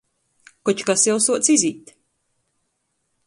Koč kas jau suoc izīt.